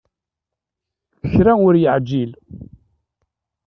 Kra ur yeεǧil.